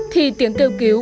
thì tiếng kêu cứu